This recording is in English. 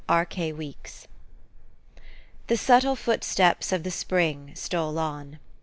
K. K. WEEKS. THE subtle footsteps of the spring stole on.